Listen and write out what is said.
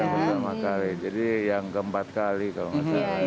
pertama kali jadi yang keempat kali kalau nggak salah